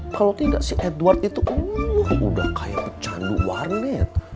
kalau tidak si edward itu udah kayak pecandu warnet